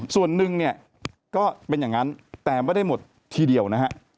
ส่วนหนึ่งเนี่ยก็เป็นอย่างนั้นแต่ไม่ได้หมดทีเดียวนะฮะ